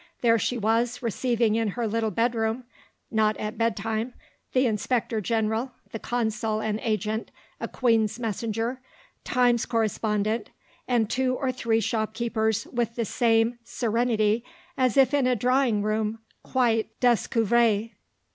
There she was, receiving in her little bedroom (not at bedtime) the Inspector General, the Consul and Agent, a Queen's Messenger, Times Correspondent, and two or three shopkeepers with the same serenity as if in a drawing room quite dés[oe]uvrée.